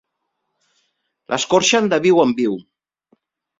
L'escorxen de viu en viu.